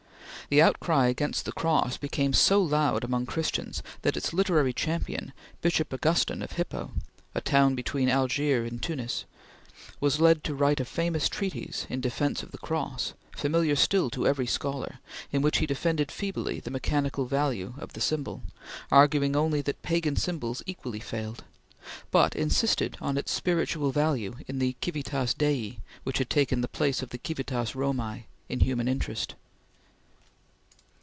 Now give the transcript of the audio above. The outcry against the Cross became so loud among Christians that its literary champion, Bishop Augustine of Hippo a town between Algiers and Tunis was led to write a famous treatise in defence of the Cross, familiar still to every scholar, in which he defended feebly the mechanical value of the symbol arguing only that pagan symbols equally failed but insisted on its spiritual value in the Civitas Dei which had taken the place of the Civitas Romae in human interest.